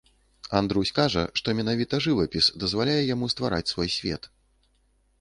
Андрусь кажа, што менавіта жывапіс дазваляе яму ствараць свой свет.